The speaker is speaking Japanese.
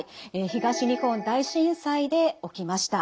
東日本大震災で起きました。